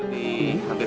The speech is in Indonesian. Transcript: di hampir seratus